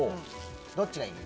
どっちがいい？